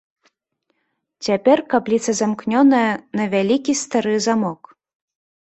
Цяпер капліца замкнёная на вялікі стары замок.